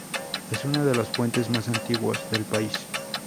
Es uno de los puentes más antiguos del país.